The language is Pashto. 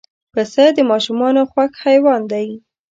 پسه د ماشومانو خوښ حیوان دی.